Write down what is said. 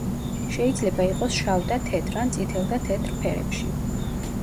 შეიძლება იყოს შავ და თეთრ ან წითელ და თეთრ ფერებში.